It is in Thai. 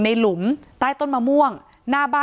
ที่มีข่าวเรื่องน้องหายตัว